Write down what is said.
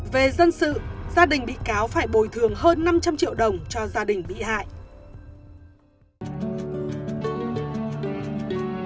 về dân sự gia đình bị cáo phải bồi thường hơn năm trăm linh triệu đồng cho gia đình bị hại